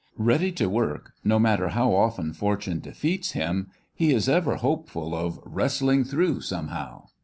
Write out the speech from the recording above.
Ready to work, no matter how often fortune defeats him, he is ever hopeful of "wrestling through somehow."